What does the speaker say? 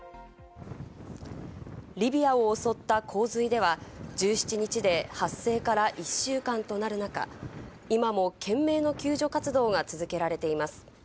リビアを襲った洪水では１７日で発生から１週間となる中、今も懸命の救助活動が続けられています。